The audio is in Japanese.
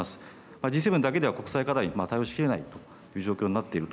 Ｇ７だけでは国際課題に対応しきれないという状況になっていると。